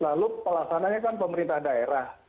lalu pelaksananya kan pemerintah daerah